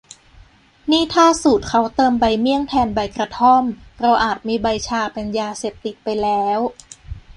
นี่ถ้าสูตรเค้าเติมใบเมี่ยงแทนใบกระท่อม เราอาจมีใบชาเป็นยาเสพติดไปแล้ว